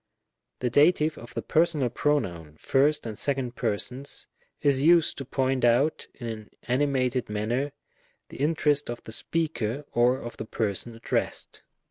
The Dative of the personal pronoun, first and second persons, is used to point out, in an animated manner, the interest of the speaker, or of the person addressed.